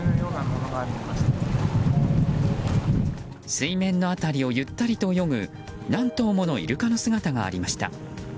水面の辺りをゆったりと泳ぐ何頭ものイルカの姿がありました。